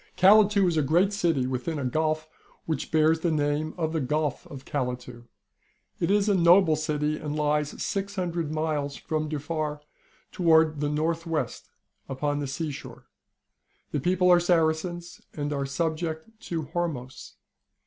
Calatu is a great city, within a gulf which bears the name of the Gulf of Calatu. It is a noble city, and lies 600 miles from Dufar towards the north west, upon the sea shore. The people are Saracens, and are subject to Hormos.